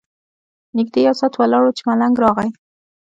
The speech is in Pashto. نږدې یو ساعت ولاړ وو چې ملنګ راغی.